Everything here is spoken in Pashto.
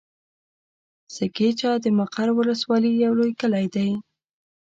سه کېچه د مقر ولسوالي يو لوی کلی دی.